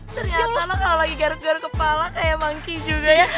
ternyata kalau lagi garut garut kepala kayak monkey juga ya